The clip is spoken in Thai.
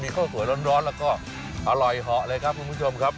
ข้าวสวยร้อนแล้วก็อร่อยเหาะเลยครับคุณผู้ชมครับ